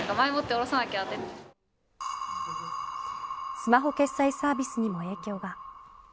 スマホ決済サービスにも影響が。